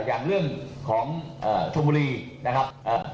อย่างเรื่องของชมบุรีนะครับ